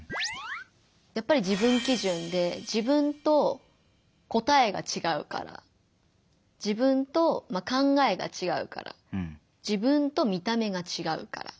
やっぱり自分基準で自分と答えがちがうから自分と考えがちがうから自分と見た目がちがうから。